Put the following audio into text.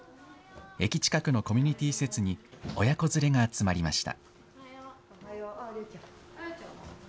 駅近くのコミュニティー施設に親子連れが集まりました。